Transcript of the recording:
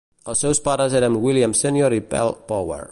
Els seus pares eren William Senior i Pearl Powell.